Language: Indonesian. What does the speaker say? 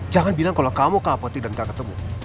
jangan bilang kalau kamu ke apotek dan gak ketemu